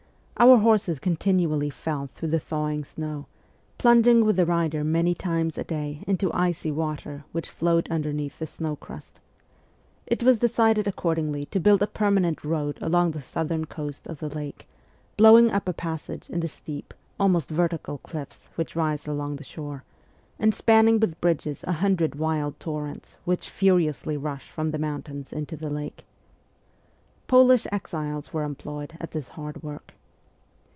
Our horses continually fell through the thawing snow, plunging with the rider many times a day into icy water which flowed underneath the snow crust. It was decided accordingly to build a permanent road along the southern coast of the lake, blowing up a passage in the steep, almost vertical cliffs which rise along the shore, and. spanning with bridges a hundred wild torrents which furiously rush from the mountains into the lake. Polish exiles were employed at this hard work.